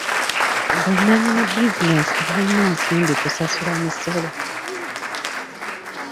Ba nnannyini bizinesi tebayina nsimbi kusasula misolo.